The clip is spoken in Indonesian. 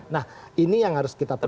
nah ini yang harus kita temu